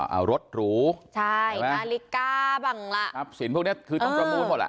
เอารถหรูใช่นาฬิกาบ้างล่ะทรัพย์สินพวกนี้คือต้องประมูลหมดล่ะ